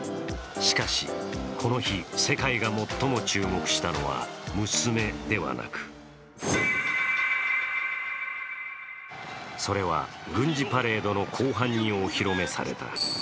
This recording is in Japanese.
しかしこの日、世界が最も注目したのは娘ではなくそれは軍事パレードの後半にお披露目された。